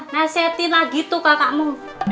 nasihatin lagi tuh kakakmu